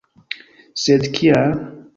Sed kial?